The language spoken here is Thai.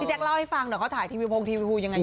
แก๊กเล่าให้ฟังหน่อยเขาถ่ายทีวีพงทีวีฮูยังไง